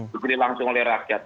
dijadikan langsung oleh rakyat